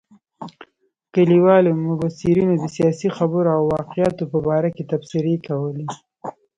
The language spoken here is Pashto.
کلیوالو مبصرینو د سیاسي خبرو او واقعاتو په باره کې تبصرې کولې.